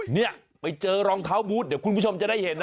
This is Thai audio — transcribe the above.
เนี่ยไปเจอรองเท้าบูธเดี๋ยวคุณผู้ชมจะได้เห็นนะ